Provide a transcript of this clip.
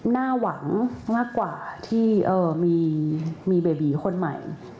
น่าหวังมากกว่าที่มีเบบีคนใหม่